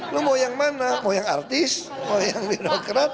lo mau yang mana mau yang artis mau yang birokrat